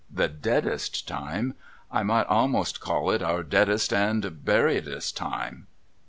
The deadest time. I might a'most call it our deadest and huriedest time.'